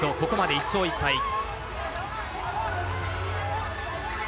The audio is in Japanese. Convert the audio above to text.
ここまで１勝１敗。